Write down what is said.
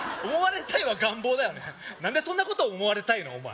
思われたいは願望だよね何でそんなこと思われたいの？